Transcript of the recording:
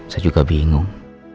saya juga bingung